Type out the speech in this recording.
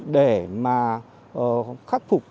để mà khắc phục